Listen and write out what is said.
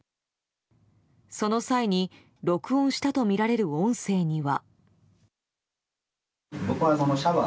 その際に、録音したとみられる音声には。